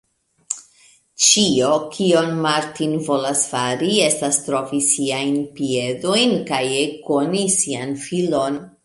Ĉio, kion Martin volas fari, estas trovi siajn piedojn kaj ekkoni sian filon.